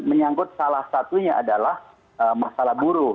menyangkut salah satunya adalah masalah buruh